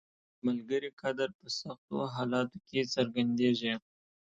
• د ملګري قدر په سختو حالاتو کې څرګندیږي.